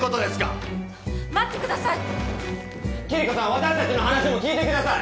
私たちの話も聞いてください！